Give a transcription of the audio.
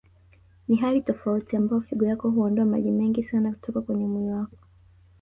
Ni hali tofauti ambayo figo yako huondoa maji mengi sana kutoka kwenye mwili wako